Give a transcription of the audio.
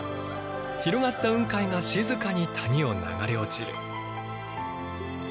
広がった雲海が静かに谷を流れ落ちる。